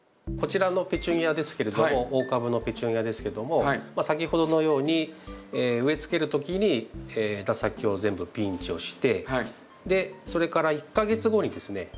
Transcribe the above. こちらのペチュニアですけれども大株のペチュニアですけども先ほどのように植えつける時に枝先を全部ピンチをしてでそれから１か月後にですね